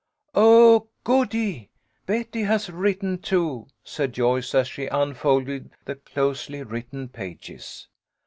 " Oh, goody ! Betty has written, too," said Joyce, as she unfolded the closely written pages.